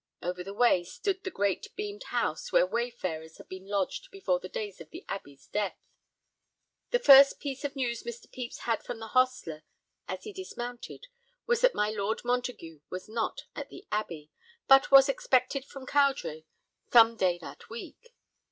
Over the way stood the great beamed house where wayfarers had been lodged before the days of the Abbey's death. The first piece of news Mr. Pepys had from the hostler as he dismounted was that my Lord Montague was not at the Abbey, but was expected from Cowdray some day that week.